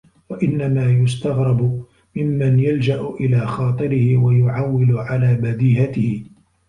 وَإِنَّمَا يُسْتَغْرَبُ مِمَّنْ يَلْجَأُ إلَى خَاطِرِهِ وَيُعَوِّلُ عَلَى بَدِيهَتِهِ